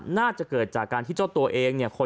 น่าจะเกิดจากการที่เจ้าตัวเองเนี่ย